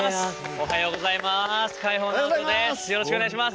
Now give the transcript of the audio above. おはようございます。